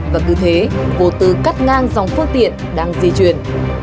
và cứ thế vô tư cắt ngang dòng phương tiện đang di chuyển